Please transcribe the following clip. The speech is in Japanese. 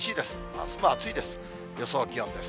あすも暑いです。